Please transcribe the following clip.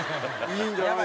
いいんじゃない？